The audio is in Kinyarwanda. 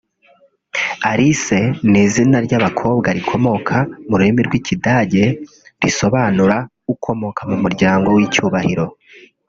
Alice ni izina ry’abakobwa rikomoka ku rurimi rw’ikidage risobanura “Ukomoka mu muryango w’icyubahiro”